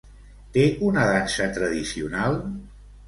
Té una dansa tradicional?